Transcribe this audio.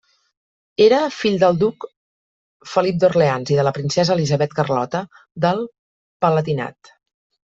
Era fill del duc Felip d'Orleans i de la princesa Elisabet Carlota del Palatinat.